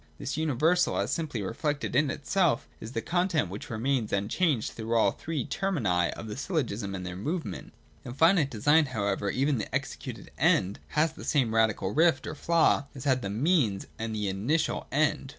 This universal, as simply reflected in itself, is the content which remains unchanged through all the three ferw^«'«/ of the syllogism and their movement. 211.] In finite design, however, even the executed End has the same radical rift or flaw as had the Means and the initial End.